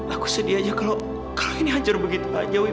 aku sedih aja kalau ini hancur begitu aja newi